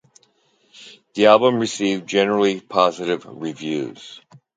The album received generally positive reviews.